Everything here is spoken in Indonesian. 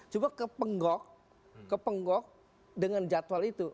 coba kepenggok kepenggok dengan jadwal itu